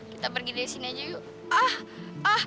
kita pergi dari sini aja yuk ah